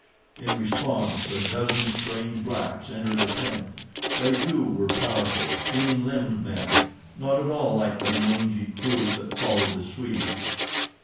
In response a dozen strange blacks entered the tent. They, too, were powerful, clean limbed men, not at all like the mangy crew that followed the Swedes.